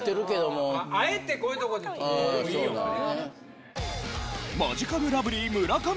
あえてこういうとこで撮るのもいいよね。